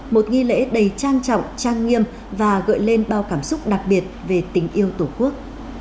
một nghi lễ đầy trang trọng trang nghiêm và gợi lên bao cảm xúc đặc biệt về tình yêu tổ quốc